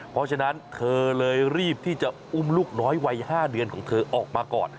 เพราะฉะนั้นเธอเลยรีบที่จะอุ้มลูกน้อยวัย๕เดือนของเธอออกมาก่อน